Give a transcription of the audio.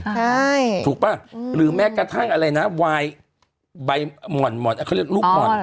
ใช่ถูกป่ะหรือแม้กระทั่งอะไรนะวายใบหม่อนเขาเรียกลูกหม่อน